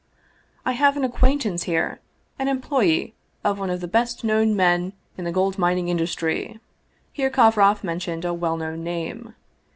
" I have an acquaintance here, an employee of one of the best known men in the gold mining indus try." Here Kovroff mentioned a well known name.